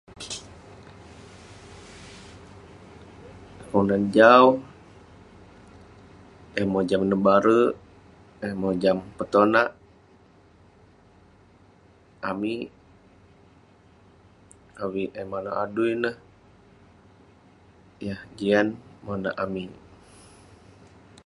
Kelunan jau.. eh mojam nebarek, eh mojam petonak, amik..avik eh manouk adui neh ,yah jian monak amik..